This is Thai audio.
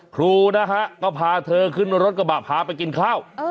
ครูนะฮะก็พาเธอขึ้นรถกระบะพาไปกินข้าว